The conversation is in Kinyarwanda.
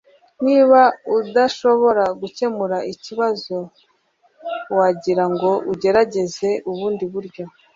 niba udashobora gukemura ikibazo, wagira ngo ugerageze ubundi buryo